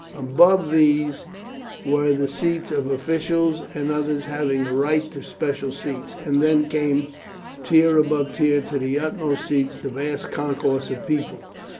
Above these were the seats of officials and others having a right to special seats, and then came, tier above tier to the uppermost seats, the vast concourse of people.